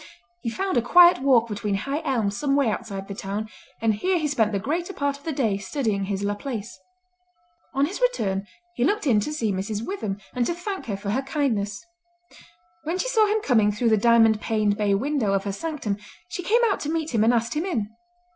He found a quiet walk between high elms some way outside the town, and here he spent the greater part of the day studying his Laplace. On his return he looked in to see Mrs. Witham and to thank her for her kindness. When she saw him coming through the diamond paned bay window of her sanctum she came out to meet him and asked him in.